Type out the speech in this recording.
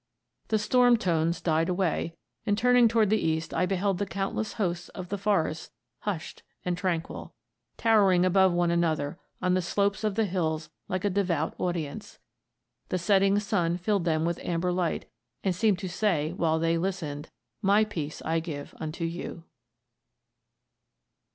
"The storm tones died away, and turning toward the east I beheld the countless hosts of the forests hushed and tranquil, towering above one another on the slopes of the hills like a devout audience. The setting sun filled them with amber light, and seemed to say while they listened: "'My peace I give unto you.'"